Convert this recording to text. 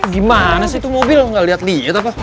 gimana sih tuh mobil nggak liat liat apa